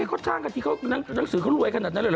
เขาจ้างที่นักสือเขารวยขนาดนั้นเลย